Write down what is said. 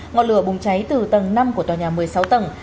ngọn lửa bùng cháy từ tầng năm của tòa nhà một mươi sáu tầng